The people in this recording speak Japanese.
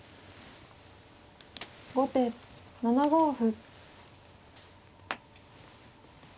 後手７五歩。